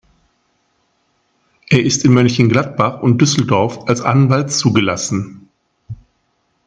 Er ist in Mönchengladbach und Düsseldorf als Anwalt zugelassen.